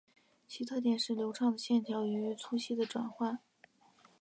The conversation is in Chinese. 其特点是流畅的线条与粗细的转换。